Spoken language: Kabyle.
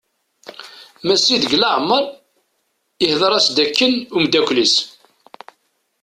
Massi deg leɛmer ihder-as-d akken umddakel-is.